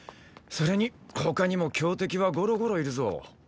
それに他にも強敵はゴロゴロいるぞ。